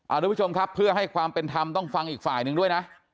ทุกผู้ชมครับเพื่อให้ความเป็นธรรมต้องฟังอีกฝ่ายหนึ่งด้วยนะ